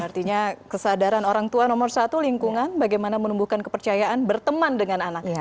artinya kesadaran orang tua nomor satu lingkungan bagaimana menumbuhkan kepercayaan berteman dengan anak